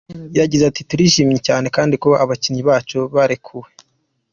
Yagize ati “Turishimye cyane kuba abakinnyi bacu barekuwe.